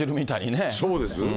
そうです。